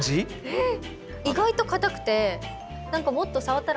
えっ！